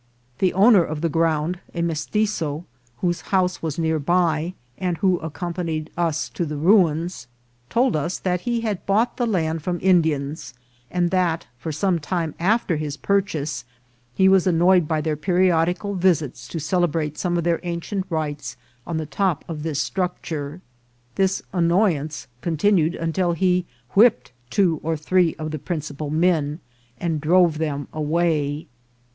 The owner of the ground, a Mestitzo, whose house was near by, and who accompanied us to the ruins, told us that he had bought the land from Indians, and that, for some time after his purchase, he was annoyed by their periodical visits to celebrate some of their ancient rites on the top of this structure. This annoyance con tinued until he whipped two or three of the principal men and drove them away.